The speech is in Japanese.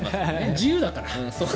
自由だから。